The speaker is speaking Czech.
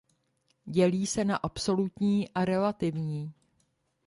Dělí se na absolutní a relativní.